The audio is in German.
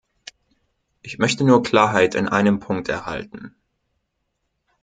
Ich möchte nur Klarheit in einem Punkt erhalten.